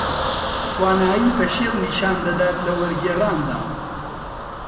توانایی پەشێو نیشان دەدا لە وەرگێڕاندا